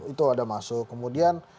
itu ada masuk kemudian